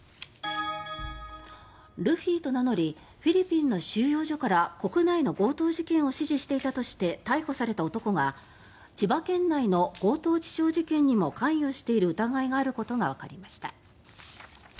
ルフィと名乗りフィリピンの収容所から国内の強盗事件を指示していたとして逮捕された男が千葉県内の強盗致傷事件にも関与している疑いがあることがわかりました。